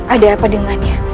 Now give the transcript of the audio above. ada apa dengannya